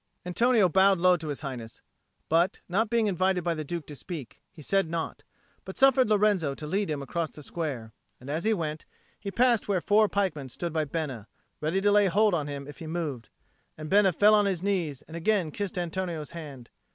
Antonio bowed low to His Highness; but, not being invited by the Duke to speak, he said naught, but suffered Lorenzo to lead him across the square; and as he went, he passed where four pikemen stood by Bena, ready to lay hold on him if he moved; and Bena fell on his knees and again kissed Antonio's hand.